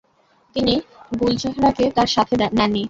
তিনি গুলচেহরাকে তার সাথে নেননি।